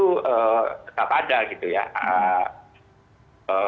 tetap ada gitu ya